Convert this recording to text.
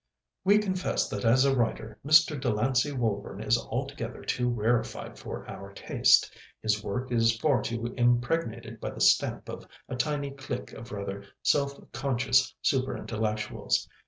"We confess that as a writer Mr. Delancey Woburn is altogether too rarefied for our taste. His work is far too impregnated by the stamp of a tiny clique of rather self conscious superintellectuals.